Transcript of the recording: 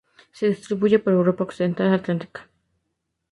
Se distribuye por Europa occidental atlántica.